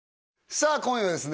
さあ今夜はですね